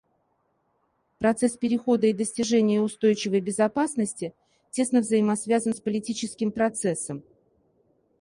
Процесс перехода и достижения устойчивой безопасности тесно взаимосвязан с политическим процессом.